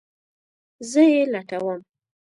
زه یی لټوم